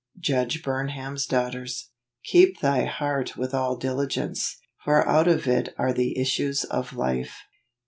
Judge Burnham's Daughter?. " Keep thy heart xcith all diligence; for out of it are the issues of life."